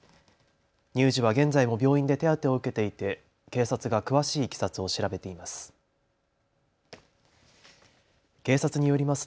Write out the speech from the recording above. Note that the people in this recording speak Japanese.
乳児は現在も病院で手当てを受けていて、警察が詳しいいきさつを調べています。